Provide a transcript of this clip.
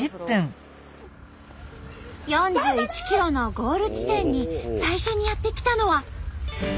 ４１ｋｍのゴール地点に最初にやって来たのは。